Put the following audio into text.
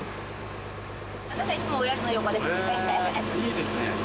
へえいいですね。